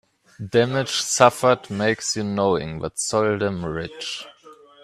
Damage suffered makes you knowing, but seldom rich.